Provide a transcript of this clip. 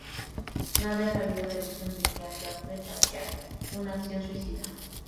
Nada en la vida de Luis Enrique hacía presagiar una acción suicida.